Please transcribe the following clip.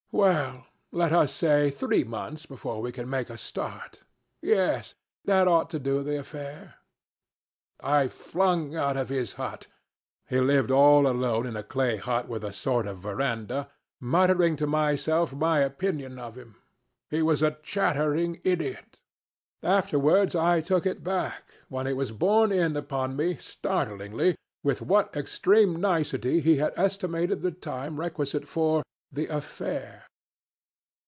'Well, let us say three months before we can make a start. Yes. That ought to do the affair.' I flung out of his hut (he lived all alone in a clay hut with a sort of veranda) muttering to myself my opinion of him. He was a chattering idiot. Afterwards I took it back when it was borne in upon me startlingly with what extreme nicety he had estimated the time requisite for the 'affair.'